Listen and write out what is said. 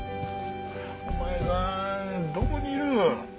お前さんどこにいる？